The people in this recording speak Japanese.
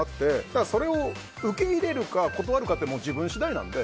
だからそれを受け入れるか断るかって自分次第なので。